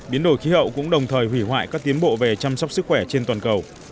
biến đổi khí hậu cũng đồng thời hủy hoại các tiến bộ về chăm sóc sức khỏe trên toàn cầu